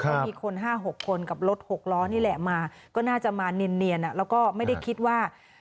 ก็มีคน๕๖คนกับรถ๖ล้อนี่แหละมาก็น่าจะมาเนียนแล้วก็ไม่ได้คิดว่า